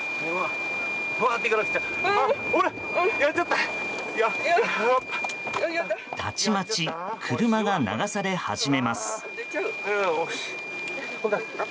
たちまち車が流され始めます。